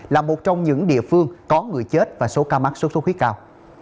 là một trong những địa phương có người chết và số ca mắc sốt xuất huyết cao